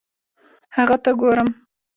هغه ته ګورم